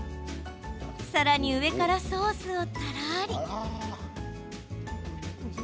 さらに上からソースを、たらり。